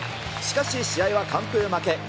しかし、試合は完封負け。